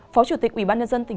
phó chủ tịch ubnd tỉnh hưng yên